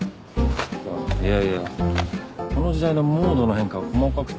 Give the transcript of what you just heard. いやいやこの時代のモードの変化が細かくて。